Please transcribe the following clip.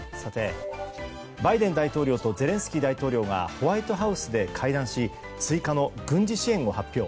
バイデン大統領とゼレンスキー大統領がホワイトハウスで会談し追加の軍事支援を発表。